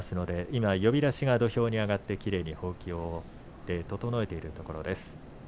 今、呼出しが土俵に上がってきれいにほうきで整えているところです。